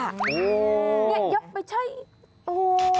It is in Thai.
นี่ยับไปใช้โอ้โฮ